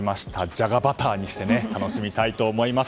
じゃがバターにして楽しみたいと思います。